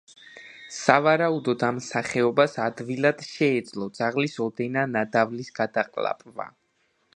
სავარაუდოდ ამ სახეობას ადვილად შეეძლო ძაღლის ოდენა ნადავლის გადაყლაპვა.